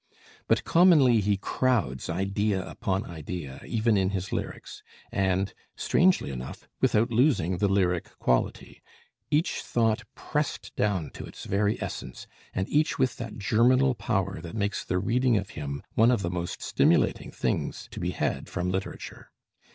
But commonly he crowds idea upon idea even in his lyrics, and strangely enough without losing the lyric quality; each thought pressed down to its very essence, and each with that germinal power that makes the reading of him one of the most stimulating things to be had from literature.